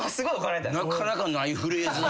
なかなかないフレーズ。